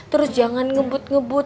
terus jangan ngebut ngebut